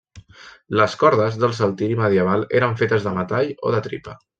Les cordes del saltiri medieval eren fetes de metall o de tripa.